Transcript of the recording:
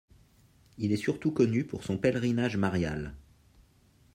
Il est surtout connu pour son pèlerinage marial.